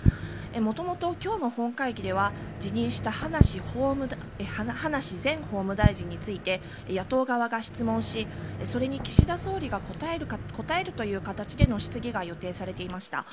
もともと今日の本会議では辞任した葉梨前法務大臣について野党側が質問しそれに岸田総理が答えるという形での質疑が予定されていました。